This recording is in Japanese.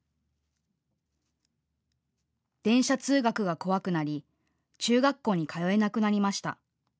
電車通学が怖くなり中学校に通えなくなりました。